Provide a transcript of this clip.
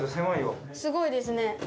すごいですね。